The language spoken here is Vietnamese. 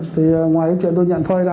thì ngoài cái chuyện tôi nhận phơi ra